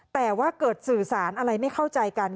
แต่ว่าเกิดสื่อสารอะไรไม่เข้าใจกัน